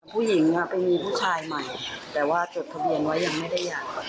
ผู้หญิงไปมีผู้ชายใหม่แต่ว่าจดทะเบียนไว้ยังไม่ได้อยาก